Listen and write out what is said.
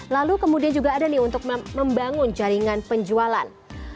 lalu kemudian juga ada nih untuk membangun jaringan penjualan